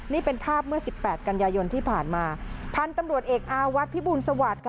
นี่เป็นภาพเมื่อสิบแปดกันยายนที่ผ่านมาพันธุ์ตำรวจเอกอาวัฒน์พิบูลสวัสดิ์ค่ะ